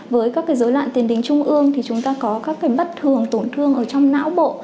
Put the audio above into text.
với các cái dối loạn tiền đình trung ương thì chúng ta có các cái bất thường tổn thương ở trong não bộ